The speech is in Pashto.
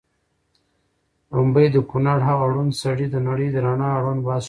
ړومبی د کونړ هغه ړوند سړي د نړۍ د رڼا اړوند بحث شروع کړ